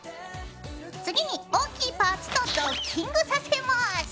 次に大きいパーツとドッキングさせます！